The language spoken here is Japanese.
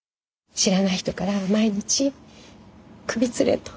知らない人から毎日首つれと。